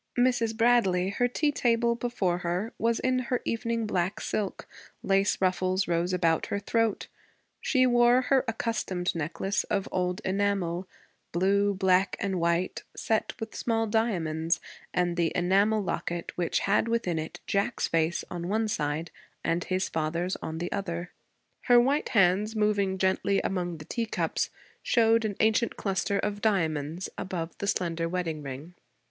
Mrs. Bradley, her tea table before her, was in her evening black silk; lace ruffles rose about her throat; she wore her accustomed necklace of old enamel, blue, black, and white, set with small diamonds, and the enamel locket which had within it Jack's face on one side and his father's on the other; her white hands, moving gently among the teacups, showed an ancient cluster of diamonds above the slender wedding ring.